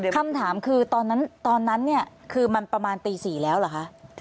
คำถามคือตอนนั้นเนี่ยคือมันประมาณตี๔แล้วเหรอคะ